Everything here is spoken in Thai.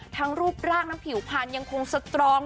ทั้งรูปรากและผิวพันยังคงสตรอง